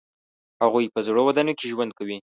هغوی په زړو ودانیو کې ژوند کوي.